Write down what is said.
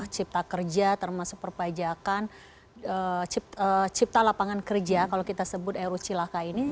cipta kerja termasuk perpajakan cipta lapangan kerja kalau kita sebut eru cilaka ini